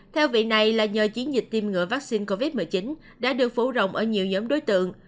theo vị này là do chiến dịch tiêm ngựa vaccine covid một mươi chín đã được phủ rộng ở nhiều giống đối tượng